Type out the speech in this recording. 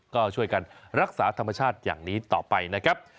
ก็ช่วยกันรักษาธรรมชาติอย่างนี้ต่อไปนะครับ